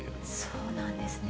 そうなんですね。